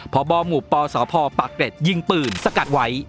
พอบ้อหมู่ปสพปรักเร็จยิงปืนสกัดไว้